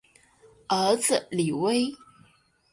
儿子李威。